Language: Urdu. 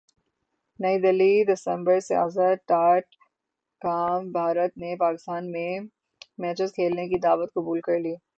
نئی دہلی دسمبر سیاست ڈاٹ کام بھارت نے پاکستان میں میچز کھیلنے کی دعوت قبول کر لی ہے